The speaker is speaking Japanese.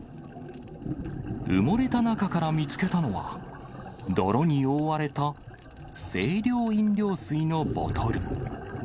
埋もれた中から見つけたのは、泥に覆われた清涼飲料水のボトル。